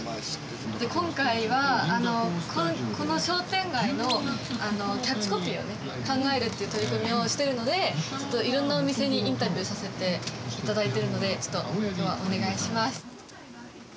今回はこの商店街のキャッチコピーをね考えるっていう取り組みをしてるのでいろんなお店にインタビューさせて頂いているのでちょっと今日はお願いします。